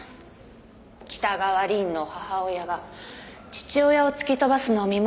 北川凛の母親が父親を突き飛ばすのを見ました。